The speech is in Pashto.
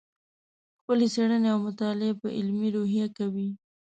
خپلې څېړنې او مطالعې په علمي روحیه کوې.